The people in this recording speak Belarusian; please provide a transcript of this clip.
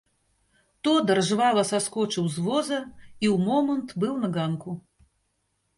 Тодар жвава саскочыў з воза і ў момант быў на ганку.